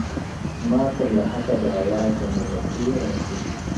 زما تر لحده به آواز د مرغکیو راځي-